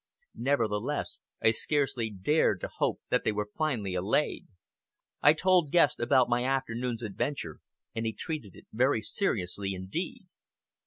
Nevertheless, I scarcely dared to hope that they were finally allayed. I told Guest about my afternoon's adventure, and he treated it very seriously indeed.